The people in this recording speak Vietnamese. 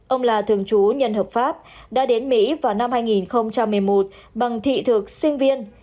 ông là thường chú nhân hợp pháp đã đến mỹ vào năm hai nghìn một mươi một bằng thị thực sinh viên